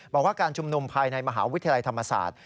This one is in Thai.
บอกว่าการชุมนุมภายในมหาวิทยาลัยธรรมศาสตร์